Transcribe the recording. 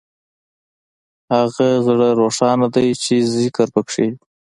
هغه زړه روښانه دی چې ذکر پکې وي.